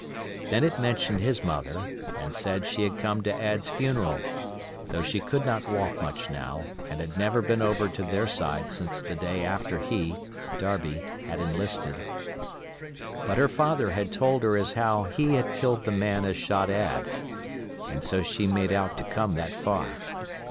Then it mentioned his mother and said she had come to Ad's funeral, though she could not walk much now and had never been over to their side since the day after he—Darby—had enlisted; but her father had told her as how he had killed the man as shot Ad, and so she made out to come that far.